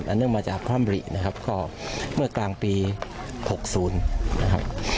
เนื่องมาจากพระอำรินะครับก็เมื่อกลางปี๖๐นะครับ